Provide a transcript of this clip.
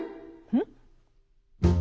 うん？